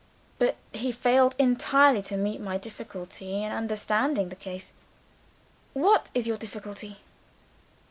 But he failed entirely to meet my difficulty in understanding the case." "What is your difficulty?"